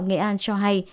nghệ an cho hay